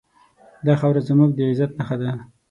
دا خاوره زموږ د عزت نښه ده.